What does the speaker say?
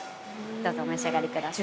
どうぞお召し上がり下さい。